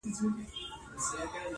د لېوانو په څېر مخ په مخ ویدیږي؛